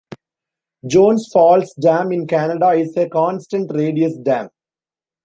Jones Falls Dam, in Canada, is a constant radius dam.